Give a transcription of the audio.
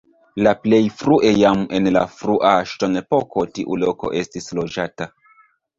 La plej frue jam en la frua ŝtonepoko tiu loko estis loĝata.